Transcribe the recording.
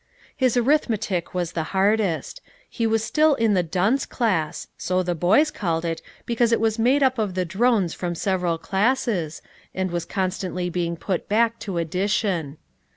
His arithmetic was the hardest. He was still in the dunce class, so the boys called it, because it was made up of the drones from several classes, and was constantly being put back to addition.